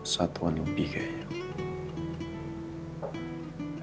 satuan lebih kayaknya